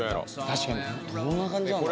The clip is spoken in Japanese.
確かにどんな感じなんだろ